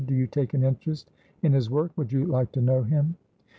"Do you take an interest in his work? Would you like to know him?"